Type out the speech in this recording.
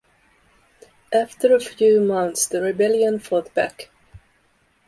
After a few months the rebellion fought back.